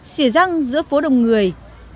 xỉa răng giữa phố đông người